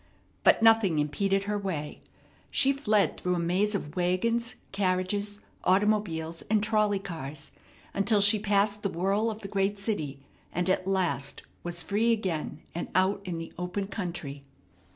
But nothing impeded her way. She fled through a maze of wagons, carriages, automobiles, and trolley cars, until she passed the whirl of the great city, and at last was free again and out in the open country.